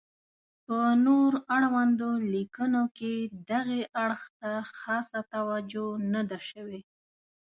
په نور اړوندو لیکنو کې دغې اړخ ته خاصه توجه نه ده شوې.